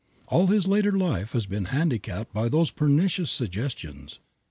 All his later life has been handicapped by those pernicious suggestions.